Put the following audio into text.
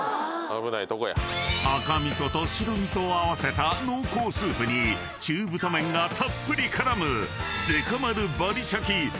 ［赤味噌と白味噌を合わせた濃厚スープに中太麺がたっぷり絡む］